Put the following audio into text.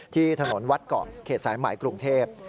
ที่ถนนวัดเกาะเขตสายใหม่กรุงเทพ